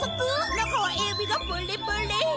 中はエビがプーリプリ！